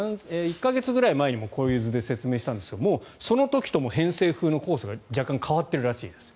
１か月くらい前にもこういう図で説明したんですがもうその時とも偏西風のコースが若干変わっているらしいです。